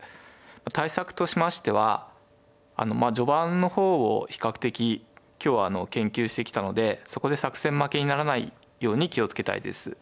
対策としましては序盤の方を比較的今日は研究してきたのでそこで作戦負けにならないように気を付けたいです。